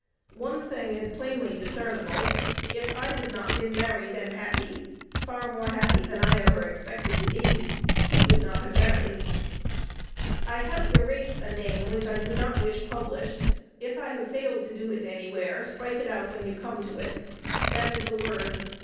One thing is plainly discernible: if I had not been married and happy, far more happy than I ever expected to be, he would not have married. I have erased a name which I do not wish published. If I have failed to do it anywhere, strike it out when you come to it. That is the word